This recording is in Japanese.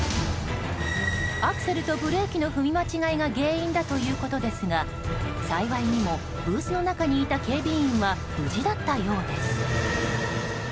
アクセルとブレーキの踏み間違いが原因だということですが幸いにもブースの中にいた警備員は無事だったようです。